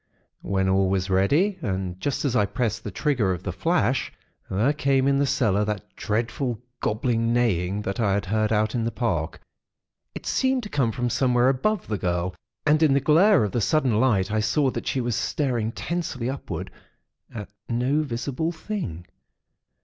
When all was ready, and just as I pressed the trigger of the 'flash', there came in the cellar that dreadful, gobbling neighing, that I had heard out in the Park. It seemed to come from somewhere above the girl; and in the glare of the sudden light, I saw that she was staring tensely upward at no visible thing.